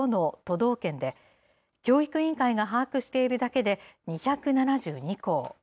道県で、教育委員会が把握しているだけで２７２校。